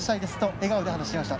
笑顔で話しました。